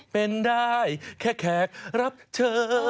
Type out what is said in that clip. เป็นได้แค่แขกรับเชิญ